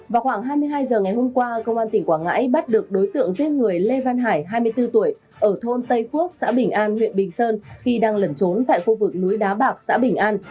vào khoảng hai mươi hai h ngày hôm qua công an tỉnh quảng ngãi bắt được đối tượng giết người lê văn hải hai mươi bốn tuổi ở thôn tây phước xã bình an huyện bình sơn khi đang lẩn trốn tại khu vực núi đá bạc xã bình an